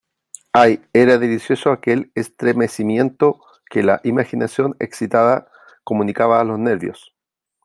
¡ ay , era delicioso aquel estremecimiento que la imaginación excitada comunicaba a los nervios !...